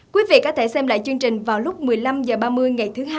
quý vị có thể xem lại chương trình vào lúc một mươi năm h ba mươi ngày thứ hai